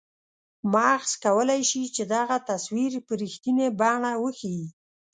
مغز کولای شي چې دغه تصویر په رښتنیې بڼه وښیي.